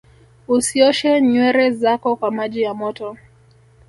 usioshe nywere zako kwa maji ya moto